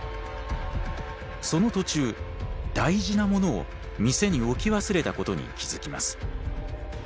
その途中大事なものを店に置き忘れたことに気付きます。